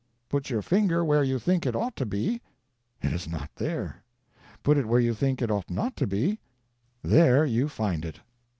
Put your finger where you think it ought to be, it is not there; put it where you think it ought not to be, there you find it.